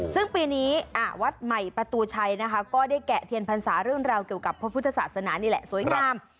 ซึ่งปีนี้วัดใหม่ประตูชัยนะคะก็ได้แกะเทียนพรรษาเรื่องราวเกี่ยวกับพระพุทธศาสนานี่แหละสวยงาม